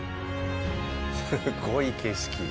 すごい景色。